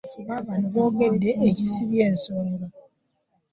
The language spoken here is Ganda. Abakenkufu baabano boogedde ekisibye ensonga.